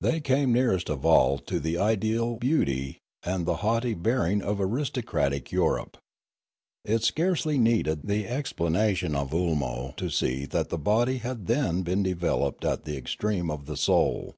They came nearest of all to the ideal beauty and the haughty bearing of aristocratic Europe. It scarcely needed the explanation of Oolmo to see that the body had then been developed at the expense of the soul.